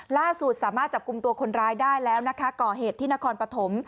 ล่าสุดสามารถจับกลุ่มตัวคนร้ายได้แล้วนะคะก่อเหตุที่นครปฐม